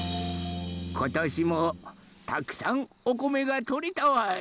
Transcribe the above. ことしもたくさんおこめがとれたわい。